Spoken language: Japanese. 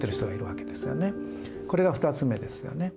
これが２つ目ですよね。